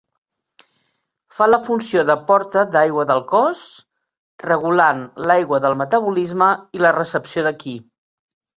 Fa la funció de porta d'aigua del cos, regulant l'aigua del metabolisme i la recepció de qi.